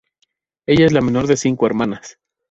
Ella es la menor de cinco hermanas.